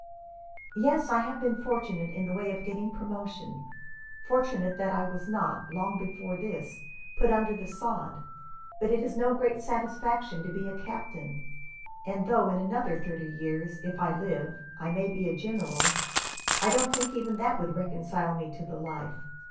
"Yes, I have been fortunate in the way of getting promotion; fortunate that I was not, long before this, put under the sod; but it is no great gratification to be a captain, and though in another thirty years, if I live, I may be a general, I don't think even that would reconcile me to the life.